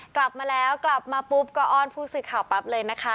กลับมาแล้วกลับมาปุ๊บก็อ้อนผู้สื่อข่าวปั๊บเลยนะคะ